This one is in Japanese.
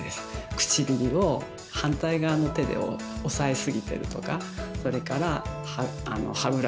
唇を反対側の手で押さえすぎてるとかそれから歯ブラシが痛いとかね。